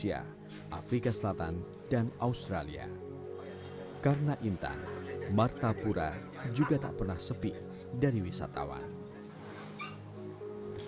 tapi hanis lgardas dan kol ajustim dini bagiternya termasuk virginia cornin